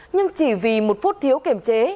nhưng chỉ vì một phút thiếu kiểm chế